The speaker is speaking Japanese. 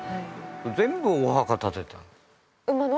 全部お墓建てた馬の？